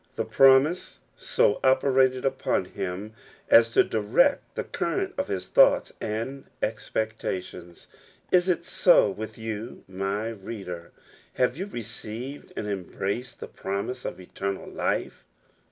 The promise so operated upon him as to direct the current of his thoughts and expectations. Is it so with you, my reader? Have you received and embraced the promise of eternal life?